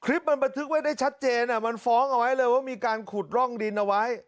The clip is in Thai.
คลิปมันบันทึกไว้ได้ชัดเจนมันฟ้องเอาไว้เลยว่ามีการขุดร่องดินเอาไว้